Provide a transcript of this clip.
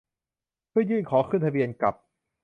เพื่อยื่นขอขึ้นทะเบียนกับ